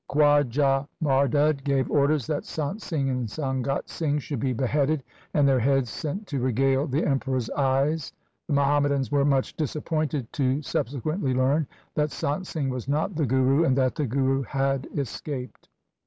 Khwaja Mardud gave orders that Sant Singh and Sangat Singh should be beheaded and their heads sent to regale the Emperor's eyes. The Muhammadans were much disappointed to subse quently learn that Sant Singh was not the Guru, and that the Guru had escaped.